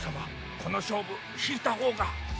この勝負引いたほうが。